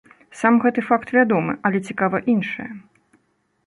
Сам гэты факт вядомы, але цікава іншае.